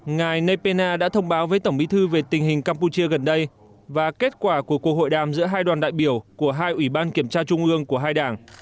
ngài nepena đã thông báo với tổng bí thư về tình hình campuchia gần đây và kết quả của cuộc hội đàm giữa hai đoàn đại biểu của hai ủy ban kiểm tra trung ương của hai đảng